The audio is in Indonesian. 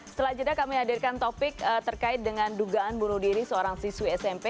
setelah jeda kami hadirkan topik terkait dengan dugaan bunuh diri seorang siswi smp